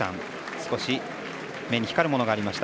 少し目に光るものがありました。